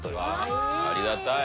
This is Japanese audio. ありがたい！